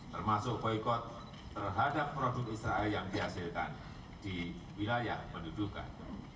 termasuk boykot terhadap produk israel yang dihasilkan di wilayah pendudukan